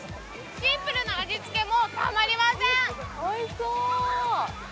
シンプルな味付けもたまりません。